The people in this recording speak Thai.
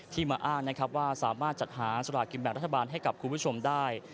มาอ้างนะครับว่าสามารถจัดหาสลากินแบ่งรัฐบาลให้กับคุณผู้ชมได้